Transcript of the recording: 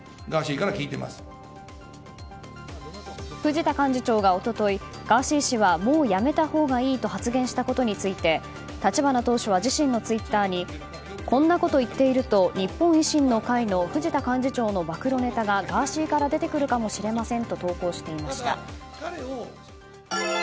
藤田幹事長が一昨日ガーシー氏はもう辞めたほうがいいと発言したことについて立花党首は自身のツイッターにこんなこと言っていると日本維新の会の藤田幹事長の暴露ネタがガーシーから出てくるかもしれませんと投稿していました。